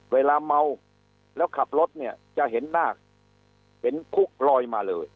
เวลาเมาแล้วขับรถเนี่ยจะเห็นหน้าเห็นคุกลอยมาเลย